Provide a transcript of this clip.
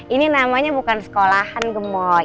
ini namanya bukan sekolahan gemo